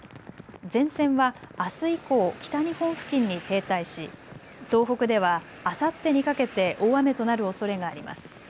前線はあす以降、北日本付近に停滞し東北ではあさってにかけて大雨となるおそれがあります。